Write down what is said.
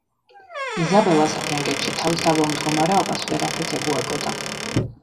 იზაბელა საფრანგეთში თავის დაბალ მდგომარეობას ვერაფრით ეგუებოდა.